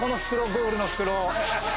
ゴールの袋。